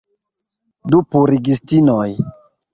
Du purigistinoj.